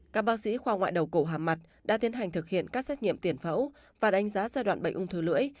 các bác sĩ khoa ngoại đầu cổ hàm mặt đã tiến hành thực hiện các xét nghiệm tiền phẫu và đánh giá giai đoạn bệnh ung thư lưỡi